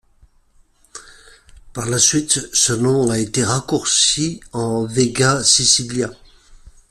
Par la suite ce nom a été raccourci en Vega Sicilia.